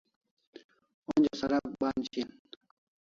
Onja sarak ban shian